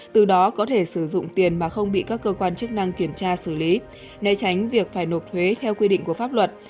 từ đó có thể sử dụng tiền mà không bị các cơ quan chức năng kiểm tra xử lý né tránh việc phải nộp thuế theo quy định của pháp luật